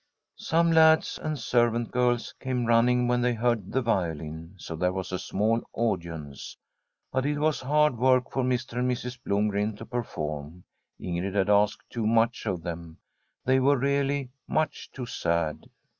Some lads and servant girls came running when they heard the violin, so there was a small audience. But it was hard work for Mr. and Mrs. Blomgren to perform. Ingrid had asked too much of them ; they were really much too sad.